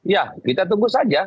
ya kita tunggu saja